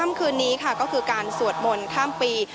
พาคุณผู้ชมไปติดตามบรรยากาศกันที่วัดอรุณราชวรรมหาวิหารค่ะ